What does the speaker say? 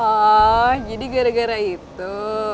ah jadi gara gara itu